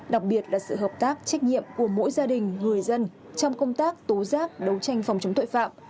đặc biệt là sự hợp tác trách nhiệm của mỗi gia đình người dân trong công tác tố giác đấu tranh phòng chống tội phạm